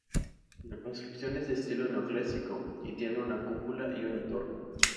La construcción es de estilo neoclásico y tiene una cúpula y una torre.